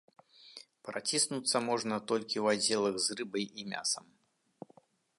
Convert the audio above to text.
Праціснуцца можна толькі ў аддзелах з рыбай і мясам.